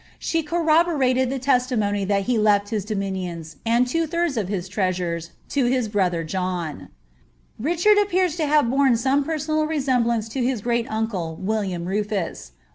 She corroborated iJie lestimonyltial he lelV his domioioiis, and two thirds of his treasuies, to bis brother Richard appears to have borne some personal resembtanoe to hi* great ancle, William Rufus.